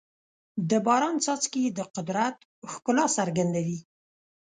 د باران څاڅکي د قدرت ښکلا څرګندوي.